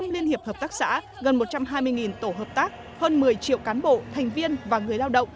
một mươi liên hiệp hợp tác xã gần một trăm hai mươi tổ hợp tác hơn một mươi triệu cán bộ thành viên và người lao động